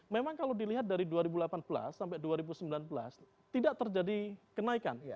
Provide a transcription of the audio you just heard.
memang kalau dilihat dari dua ribu delapan belas sampai dua ribu sembilan belas tidak terjadi kenaikan